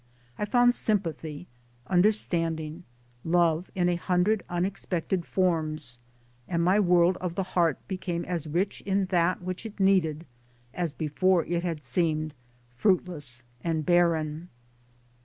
I found sympathy, understanding, love, in a hundred unexpected forms, and my world of the heart became as rich in that which it needed as before it had seemed fruitless and barren.